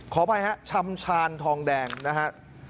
ขออภัยฮะชำชาญทองแดงนะฮะ